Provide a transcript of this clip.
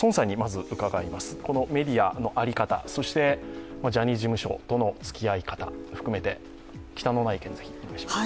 このメディアの在り方、ジャニーズ事務所とのつきあい方、含めて、忌憚のない意見をお願いします。